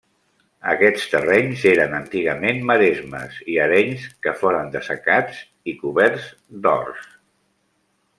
Aquests terrenys eren antigament maresmes i arenys que foren dessecats i coberts d'horts.